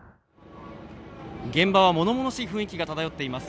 現場はものものしい雰囲気が漂っています。